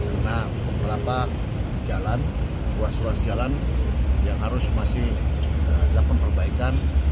karena beberapa jalan ruas ruas jalan yang harus masih ada pemperbaikan